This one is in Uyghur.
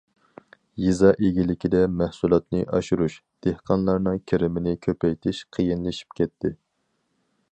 يېزا ئىگىلىكىدە مەھسۇلاتنى ئاشۇرۇش، دېھقانلارنىڭ كىرىمىنى كۆپەيتىش قىيىنلىشىپ كەتتى.